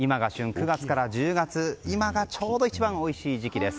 ９月から１０月今がちょうど一番おいしい時期です。